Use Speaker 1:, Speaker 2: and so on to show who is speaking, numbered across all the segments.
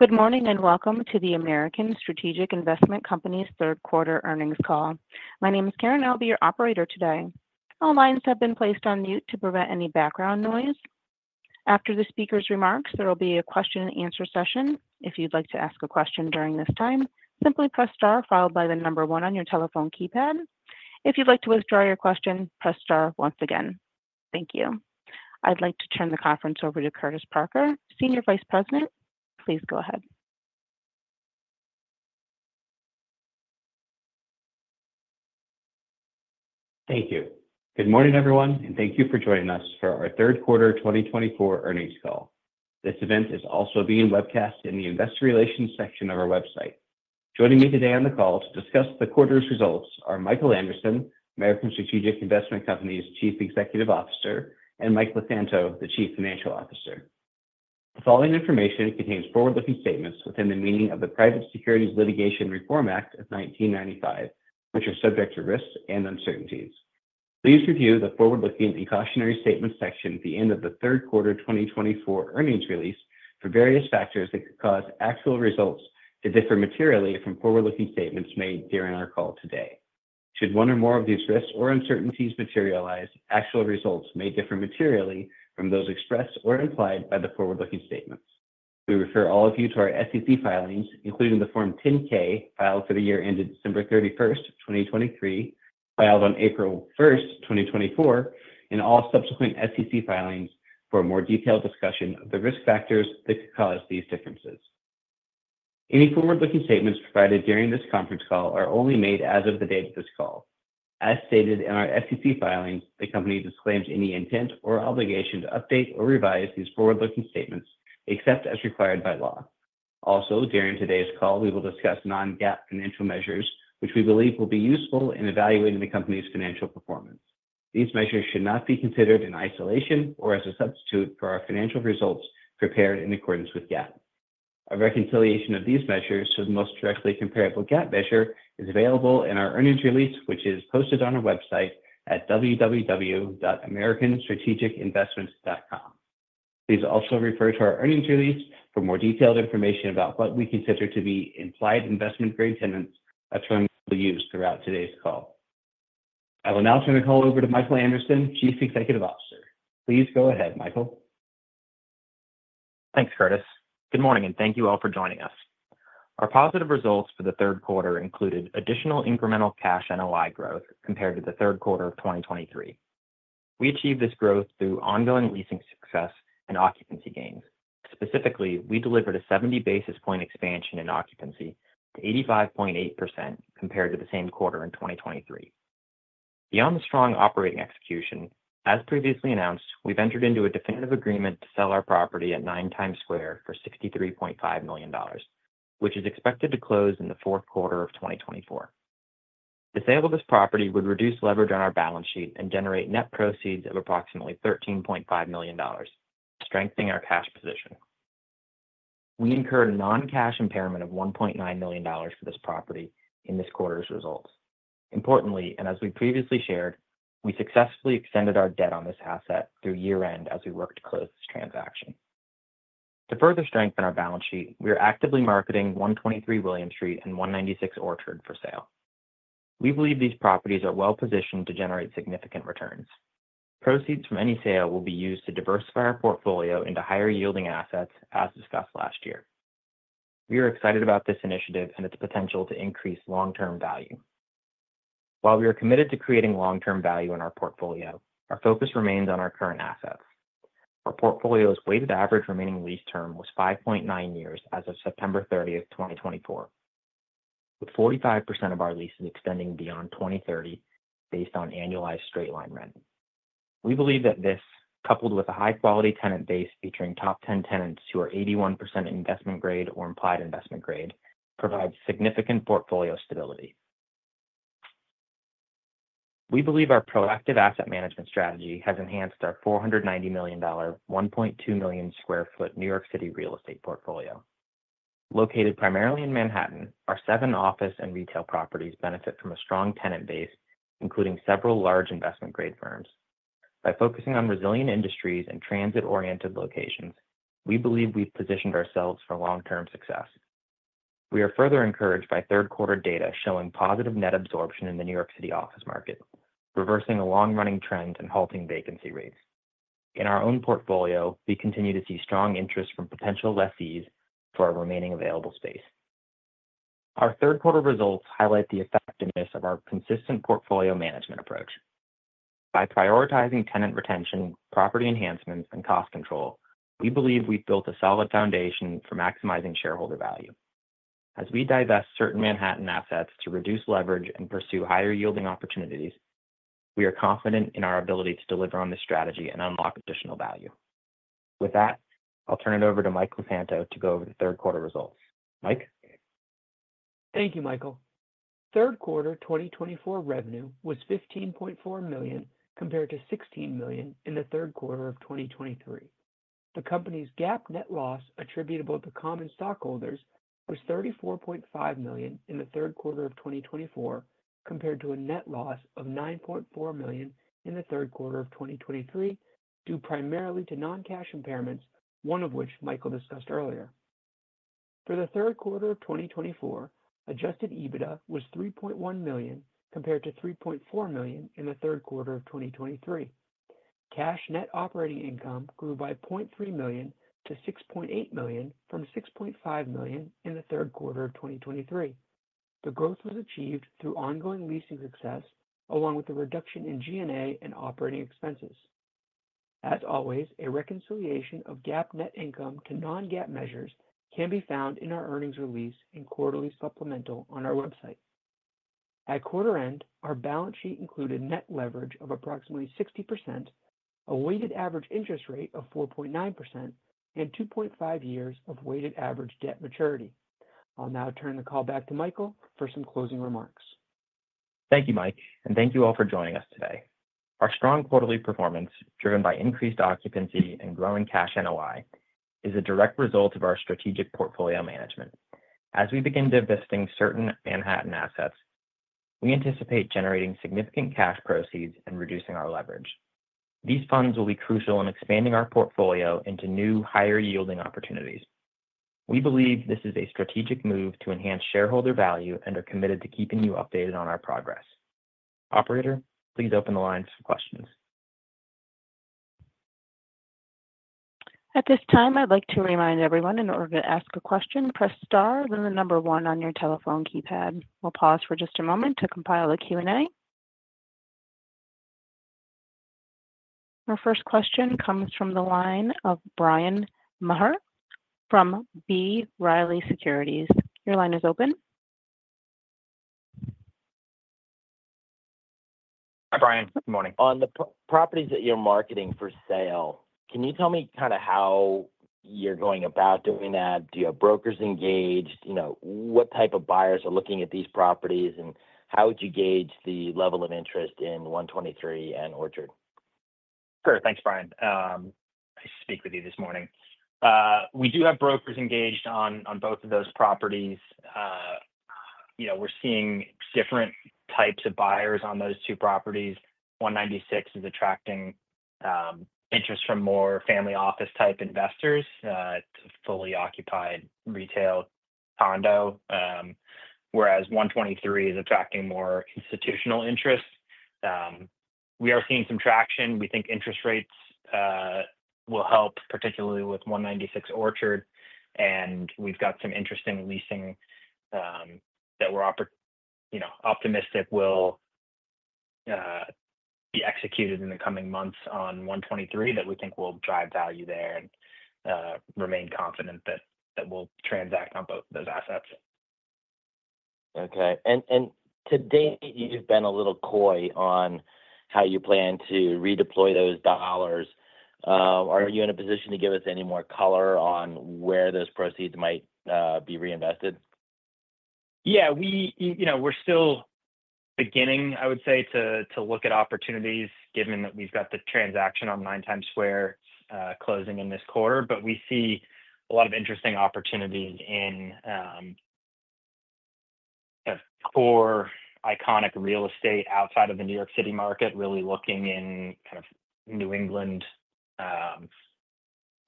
Speaker 1: Good morning and welcome to the American Strategic Investment Company's Q3 Earnings Call. My name is Karen, and I'll be your operator today. All lines have been placed on mute to prevent any background noise. After the speaker's remarks, there will be a question-and-answer session. If you'd like to ask a question during this time, simply press star followed by the number one on your telephone keypad. If you'd like to withdraw your question, press star once again. Thank you. I'd like to turn the conference over to Curtis Parker, Senior Vice President. Please go ahead.
Speaker 2: Thank you. Good morning, everyone, and thank you for joining us for our Q3 2024 Earnings Call. This event is also being webcast in the investor relations section of our website. Joining me today on the call to discuss the quarter's results are Michael Anderson, American Strategic Investment Company's Chief Executive Officer, and Mike LeSanto, the Chief Financial Officer. The following information contains forward-looking statements within the meaning of the Private Securities Litigation Reform Act of 1995, which are subject to risks and uncertainties. Please review the forward-looking and cautionary statements section at the end of the Q3 2024 earnings release for various factors that could cause actual results to differ materially from forward-looking statements made during our call today. Should one or more of these risks or uncertainties materialize, actual results may differ materially from those expressed or implied by the forward-looking statements. We refer all of you to our SEC filings, including the Form 10-K filed for the year ended December 31st, 2023, filed on April 1st, 2024, and all subsequent SEC filings for a more detailed discussion of the risk factors that could cause these differences. Any forward-looking statements provided during this conference call are only made as of the date of this call. As stated in our SEC filings, the company disclaims any intent or obligation to update or revise these forward-looking statements except as required by law. Also, during today's call, we will discuss non-GAAP financial measures, which we believe will be useful in evaluating the company's financial performance. These measures should not be considered in isolation or as a substitute for our financial results prepared in accordance with GAAP. A reconciliation of these measures to the most directly comparable GAAP measure is available in our earnings release, which is posted on our website at www.americanstrategicinvestment.com. Please also refer to our earnings release for more detailed information about what we consider to be implied investment-grade tenants that will be used throughout today's call. I will now turn the call over to Michael Anderson, Chief Executive Officer. Please go ahead, Michael.
Speaker 3: Thanks, Curtis. Good morning, and thank you all for joining us. Our positive results for the Q3 included additional incremental Cash NOI growth compared to the Q3 of 2023. We achieved this growth through ongoing leasing success and occupancy gains. Specifically, we delivered a 70 basis point expansion in occupancy to 85.8% compared to the same quarter in 2023. Beyond the strong operating execution, as previously announced, we've entered into a definitive agreement to sell our property at 9 Times Square for $63.5 million, which is expected to close in the Q4 of 2024. The sale of this property would reduce leverage on our balance sheet and generate net proceeds of approximately $13.5 million, strengthening our cash position. We incurred a non-cash impairment of $1.9 million for this property in this quarter's results. Importantly, and as we previously shared, we successfully extended our debt on this asset through year-end as we worked to close this transaction. To further strengthen our balance sheet, we are actively marketing 123 William Street and 196 Orchard for sale. We believe these properties are well-positioned to generate significant returns. Proceeds from any sale will be used to diversify our portfolio into higher-yielding assets, as discussed last year. We are excited about this initiative and its potential to increase long-term value. While we are committed to creating long-term value in our portfolio, our focus remains on our current assets. Our portfolio's weighted average remaining lease term was 5.9 years as of September 30th, 2024, with 45% of our leases extending beyond 2030 based on annualized straight-line rent. We believe that this, coupled with a high-quality tenant base featuring top 10 tenants who are 81% investment-grade or implied investment grade, provides significant portfolio stability. We believe our proactive asset management strategy has enhanced our $490 million, 1.2 million sq ft New York City real estate portfolio. Located primarily in Manhattan, our seven office and retail properties benefit from a strong tenant base, including several large investment-grade firms. By focusing on resilient industries and transit-oriented locations, we believe we've positioned ourselves for long-term success. We are further encouraged by Q3 data showing positive net absorption in the New York City office market, reversing a long-running trend and halting vacancy rates. In our own portfolio, we continue to see strong interest from potential lessees for our remaining available space. Our Q3 results highlight the effectiveness of our consistent portfolio management approach. By prioritizing tenant retention, property enhancements, and cost control, we believe we've built a solid foundation for maximizing shareholder value. As we divest certain Manhattan assets to reduce leverage and pursue higher-yielding opportunities, we are confident in our ability to deliver on this strategy and unlock additional value. With that, I'll turn it over to Mike LeSanto to go over the Q3 results. Mike.
Speaker 4: Thank you, Michael. Q3 2024 revenue was $15.4 million compared to $16 million in the Q3 of 2023. The company's GAAP net loss attributable to common stockholders was $34.5 million in the Q3 of 2024, compared to a net loss of $9.4 million in the Q3 of 2023, due primarily to non-cash impairments, one of which Michael discussed earlier. For the Q3 of 2024, Adjusted EBITDA was $3.1 million compared to $3.4 million in the Q3 of 2023. Cash net operating income grew by $0.3 million to $6.8 million from $6.5 million in the Q3 of 2023. The growth was achieved through ongoing leasing success, along with a reduction in G&A and operating expenses. As always, a reconciliation of GAAP net income to Non-GAAP measures can be found in our earnings release and quarterly supplemental on our website. At quarter end, our balance sheet included net leverage of approximately 60%, a weighted average interest rate of 4.9%, and 2.5 years of weighted average debt maturity. I'll now turn the call back to Michael for some closing remarks.
Speaker 3: Thank you, Mike, and thank you all for joining us today. Our strong quarterly performance, driven by increased occupancy and growing Cash NOI, is a direct result of our strategic portfolio management. As we begin divesting certain Manhattan assets, we anticipate generating significant cash proceeds and reducing our leverage. These funds will be crucial in expanding our portfolio into new higher-yielding opportunities. We believe this is a strategic move to enhance shareholder value and are committed to keeping you updated on our progress. Operator, please open the lines for questions.
Speaker 1: At this time, I'd like to remind everyone in order to ask a question, press star then the number one on your telephone keypad. We'll pause for just a moment to compile the Q&A. Our first question comes from the line of Bryan Maher from B. Riley Securities. Your line is open.
Speaker 2: Hi, Bryan. Good morning.
Speaker 5: On the properties that you're marketing for sale, can you tell me kind of how you're going about doing that? Do you have brokers engaged? What type of buyers are looking at these properties, and how would you gauge the level of interest in 123 and Orchard?
Speaker 2: Sure. Thanks, Bryan. Nice to speak with you this morning. We do have brokers engaged on both of those properties. We're seeing different types of buyers on those two properties. 196 is attracting interest from more family office-type investors. It's a fully occupied retail condo, whereas 123 is attracting more institutional interest. We are seeing some traction. We think interest rates will help, particularly with 196 Orchard, and we've got some interesting leasing that we're optimistic will be executed in the coming months on 123 that we think will drive value there and remain confident that we'll transact on both of those assets.
Speaker 5: Okay. And to date, you've been a little coy on how you plan to redeploy those dollars. Are you in a position to give us any more color on where those proceeds might be reinvested?
Speaker 2: Yeah. We're still beginning, I would say, to look at opportunities, given that we've got the transaction on 9 Times Square closing in this quarter, but we see a lot of interesting opportunities in kind of core iconic real estate outside of the New York City market, really looking in kind of New England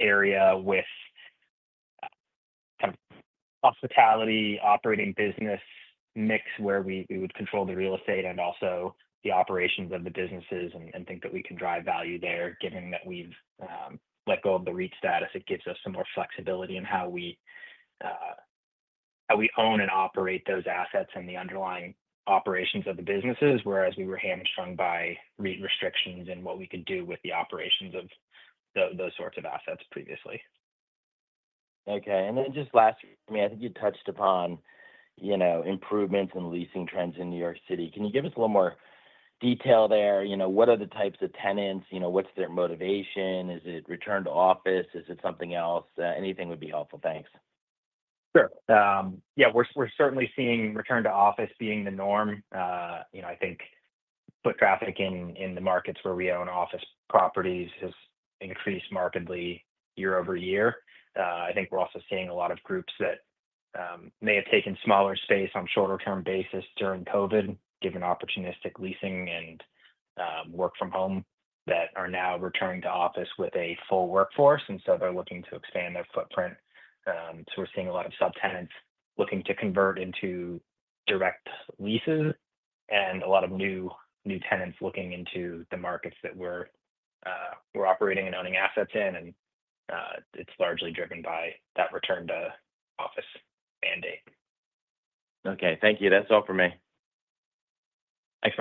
Speaker 2: area with kind of hospitality operating business mix where we would control the real estate and also the operations of the businesses and think that we can drive value there. Given that we've let go of the REIT status, it gives us some more flexibility in how we own and operate those assets and the underlying operations of the businesses, whereas we were hamstrung by REIT restrictions and what we could do with the operations of those sorts of assets previously.
Speaker 5: Okay. And then just lastly, I mean, I think you touched upon improvements in leasing trends in New York City. Can you give us a little more detail there? What are the types of tenants? What's their motivation? Is it return to office? Is it something else? Anything would be helpful. Thanks.
Speaker 2: Sure. Yeah. We're certainly seeing return to office being the norm. I think foot traffic in the markets where we own office properties has increased markedly year-over-year. I think we're also seeing a lot of groups that may have taken smaller space on a shorter-term basis during COVID, given opportunistic leasing and work-from-home, that are now returning to office with a full workforce, and so they're looking to expand their footprint. So we're seeing a lot of subtenants looking to convert into direct leases and a lot of new tenants looking into the markets that we're operating and owning assets in, and it's largely driven by that return to office mandate.
Speaker 5: Okay. Thank you. That's all for me.
Speaker 2: Thanks,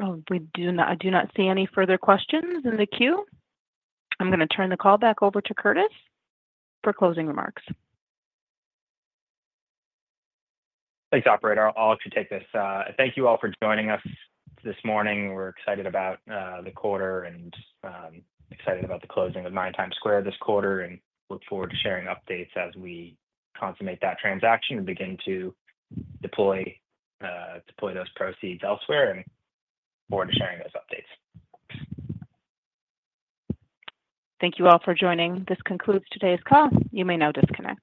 Speaker 2: Brian.
Speaker 1: I do not see any further questions in the queue. I'm going to turn the call back over to Curtis for closing remarks.
Speaker 2: Thanks, Operator. I'll actually take this. Thank you all for joining us this morning. We're excited about the quarter and excited about the closing of 9 Times Square this quarter and look forward to sharing updates as we consummate that transaction and begin to deploy those proceeds elsewhere and look forward to sharing those updates.
Speaker 1: Thank you all for joining. This concludes today's call. You may now disconnect.